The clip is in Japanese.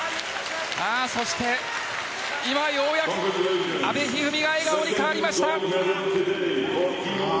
そして今、ようやく阿部一二三が笑顔に変わりました。